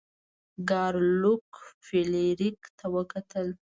ګارلوک فلیریک ته وکتل.